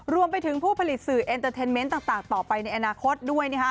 รวมไปถึงผู้ผลิตสื่อเอ็นเตอร์เทนเมนต์ต่างต่อไปในอนาคตด้วย